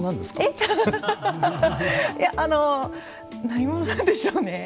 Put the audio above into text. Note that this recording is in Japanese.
えっ何者なんでしょうね。